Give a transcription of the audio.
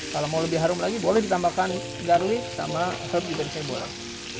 kalau mau lebih harum lagi boleh ditambahkan garlic sama herb di berseborang